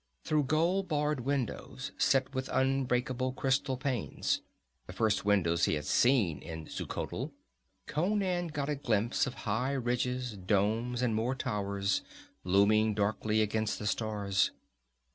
Through gold barred windows, set with unbreakable crystal panes, the first windows he had seen in Xuchotl, Conan got a glimpse of high ridges, domes and more towers, looming darkly against the stars.